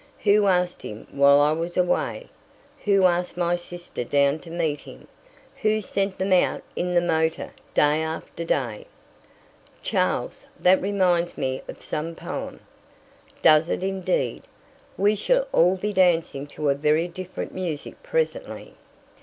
"Who asked him while I was away? Who asked my sister down to meet him? Who sent them out in the motor day after day?" "Charles, that reminds me of some poem." "Does it indeed? We shall all be dancing to a very different music presently.